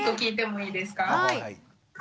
はい。